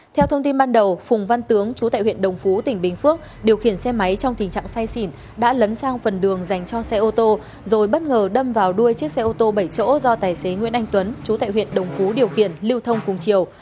theo thông tin ban đầu phùng văn tướng chú tại huyện đồng phú tỉnh bình phước điều khiển xe máy trong tình trạng say xỉn đã lấn sang phần đường dành cho xe ô tô rồi bất ngờ đâm vào đuôi chiếc xe ô tô bảy chỗ do tài xế nguyễn anh tuấn chú tại huyện đồng phú điều khiển lưu thông cùng chiều